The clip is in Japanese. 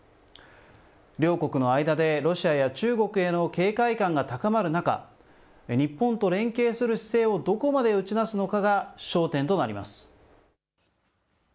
両国の間でロシアや中国への警戒感が高まる中、日本と連携する姿勢をどこまで打ち出すのかが焦点となります。